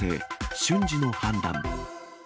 瞬時の判断。